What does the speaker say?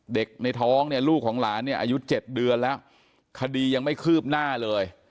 ในท้องเนี่ยลูกของหลานเนี่ยอายุ๗เดือนแล้วคดียังไม่คืบหน้าเลย